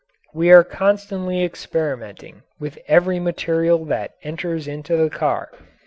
We are constantly experimenting with every material that enters into the car.